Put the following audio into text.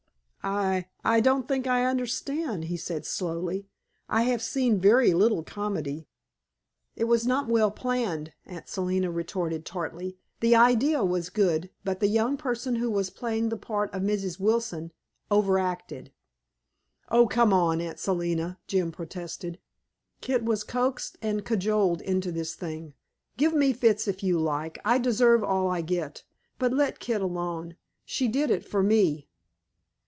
"I I don't think I understand," he said slowly. "I have seen very little comedy." "It was not well planned," Aunt Selina retorted tartly. "The idea was good, but the young person who was playing the part of Mrs. Wilson overacted." "Oh, come, Aunt Selina," Jim protested, "Kit was coaxed and cajoled into this thing. Give me fits if you like; I deserve all I get. But let Kit alone she did it for me."